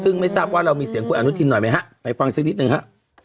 ซึ่งไม่ทราบว่าเรามีเสียงคุณอนุทินหน่อยไหมฮะไปฟังสักนิดหนึ่งฮะ